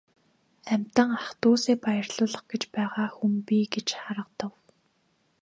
Амьтан ах дүүсээ баярлуулах гэж байгаа хүн би гэж аргадав.